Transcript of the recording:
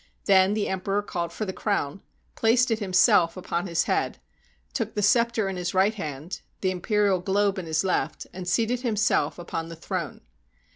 Then the emperor called for the crown, placed it himself upon his head, took the scepter in his right hand, the imperial globe in his left, and seated himself upon the throne.